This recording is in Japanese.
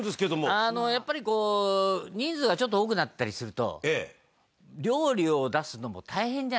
あのやっぱりこう人数がちょっと多くなったりすると料理を出すのも大変じゃないですか。